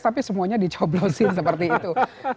tapi semuanya dicoblosin seperti itu